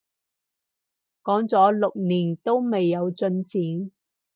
講咗六年都未有進展